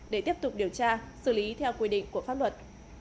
để tiếp tục điều tra xử lý theo quy định của pháp luật